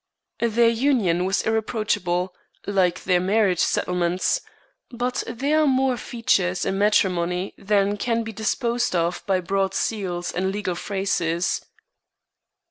Their union was irreproachable, like their marriage settlements; but there are more features in matrimony than can be disposed of by broad seals and legal phrases.